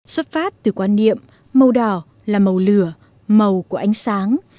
xuất phát từ quan niệm màu đỏ là màu lửa màu của ánh sáng